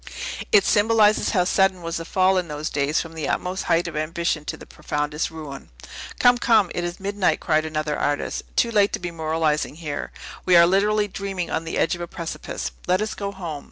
It symbolizes how sudden was the fall in those days from the utmost height of ambition to its profoundest ruin." "Come, come; it is midnight," cried another artist, "too late to be moralizing here. We are literally dreaming on the edge of a precipice. Let us go home."